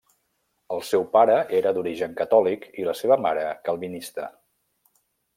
El seu pare era d'origen catòlic i la seva mare calvinista.